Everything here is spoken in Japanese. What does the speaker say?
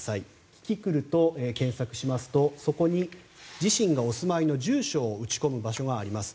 キキクルと検索しますとそこに自身がお住まいの住所を打ち込む場所があります。